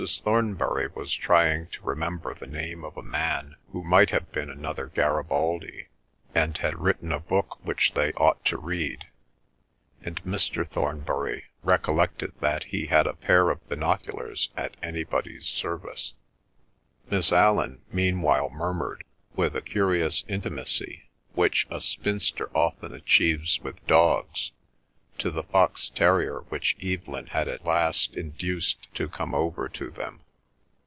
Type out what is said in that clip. Thornbury was trying to remember the name of a man who might have been another Garibaldi, and had written a book which they ought to read; and Mr. Thornbury recollected that he had a pair of binoculars at anybody's service. Miss Allan meanwhile murmured with the curious intimacy which a spinster often achieves with dogs, to the fox terrier which Evelyn had at last induced to come over to them.